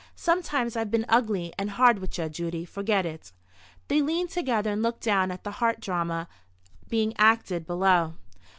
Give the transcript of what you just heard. Sometimes I've been ugly and hard with ye, Judy. Forget it." They leaned together, and looked down at the heart drama being acted below.